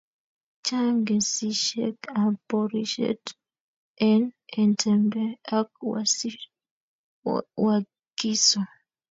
Chang kesishek ab porishet en entebbe ak wakiso